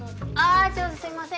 あちょっとすいません